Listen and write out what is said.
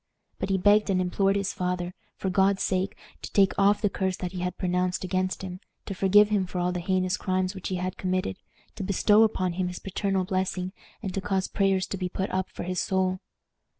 But he begged and implored his father, for God's sake, to take off the curse that he had pronounced against him, to forgive him for all the heinous crimes which he had committed, to bestow upon him his paternal blessing, and to cause prayers to be put up for his soul.